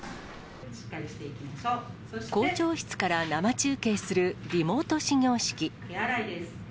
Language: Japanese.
校長室から生中継するリモート始業式。